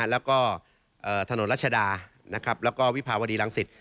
แล้วก็ถนนรัชดาแล้วก็วิภาวดีรังสิต